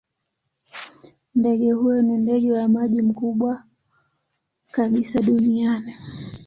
Ndege huyo ni ndege wa maji mkubwa kabisa duniani.